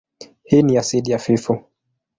Hii ni asidi hafifu.